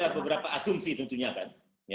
beberapa asumsi tentunya kan